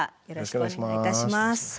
よろしくお願いします。